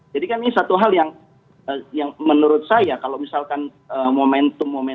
jadi kan ini satu hal yang menurut saya kalau misalkan momentum